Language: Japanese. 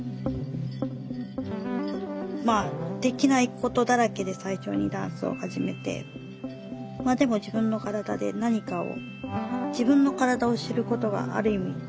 まあできないことだらけで最初にダンスを始めてでも自分の身体で何かを自分の身体を知ることがある意味